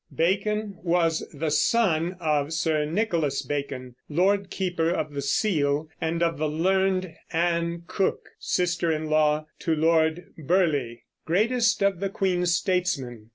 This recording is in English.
Bacon was the son of Sir Nicholas Bacon, Lord Keeper of the Seal, and of the learned Ann Cook, sister in law to Lord Burleigh, greatest of the queen's statesmen.